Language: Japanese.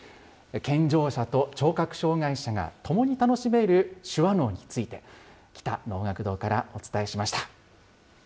健常者と聴覚障害者が共に楽しめる手話能について、喜多能楽堂からお伝えしました。